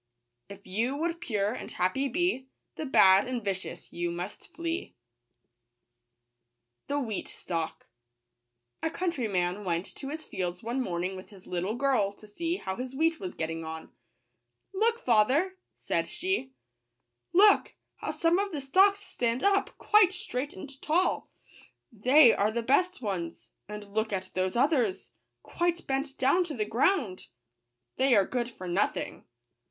If you would pure and happy be, The bad and vicious you must flee. wWffCTAmlrrri/r/i '.^luiw.trxyw^ COUNTRYMAN went to his fields one morning with his little to see h° w wheat was ^ getting on. " Look, father !" said she ;" look, how some of the stalks stand up, quite straight and tall! — they are the best ones ; and look at those others, quite bent down to the ground !— they are good for nothing."